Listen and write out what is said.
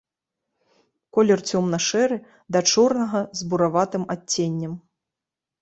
Колер цёмна-шэры да чорнага з бураватым адценнем.